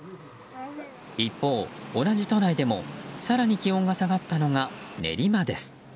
一方、同じ都内でも更に気温が下がったのが練馬です。